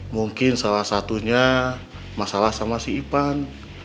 mungkin salah satunya masalah sama si ipan